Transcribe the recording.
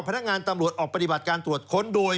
พนักงานตำรวจออกปฏิบัติการตรวจค้นโดย